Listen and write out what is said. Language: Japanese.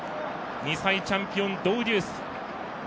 ２歳チャンピオン、ドウデュース。